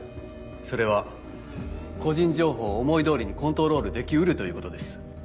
それは個人情報を思い通りにコントロールでき得るということです。